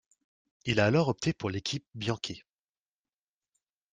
Il a alors opté pour l'équipe Bianchi.